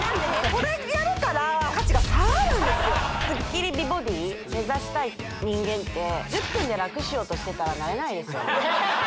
これやるからスッキリ美ボディ目指したい人間って１０分で楽しようとしてたらなれないですよ